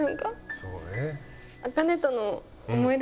そうだね。